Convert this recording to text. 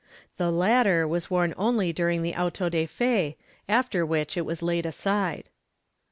The latter was worn only during the auto de fe, after which it was laid aside.